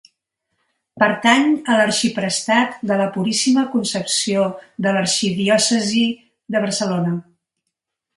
Pertany a l'arxiprestat de la Puríssima Concepció de l'Arxidiòcesi de Barcelona.